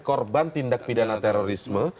korban tindak pidana terorisme